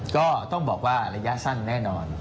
ก็ต้องบอกว่าระยะสั้นแน่นอน